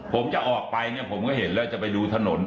ผมจะออกไปเนี่ยผมก็เห็นแล้วจะไปดูถนน